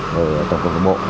về tổng thống của bộ